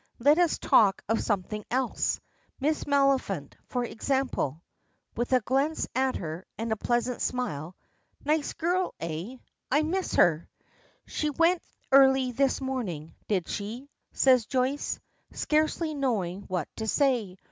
Let us talk of something else, Miss Maliphant, for example," with a glance at her, and a pleasant smile. "Nice girl eh? I miss her." "She went early this morning, did she?" says Joyce, scarcely knowing what to say.